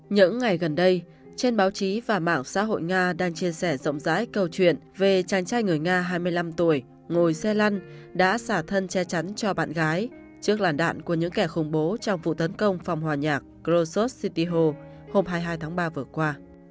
những ngày gần đây trên báo chí và mạng xã hội nga đang chia sẻ rộng rãi câu chuyện về chàng trai người nga hai mươi năm tuổi ngồi xe lăn đã xả thân che chắn cho bạn gái trước làn đạn của những kẻ khủng bố trong vụ tấn công phòng hòa nhạc rosos city hall hôm hai mươi hai tháng ba vừa qua